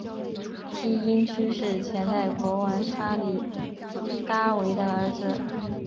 梯因屈是前代国王沙里伽维的儿子。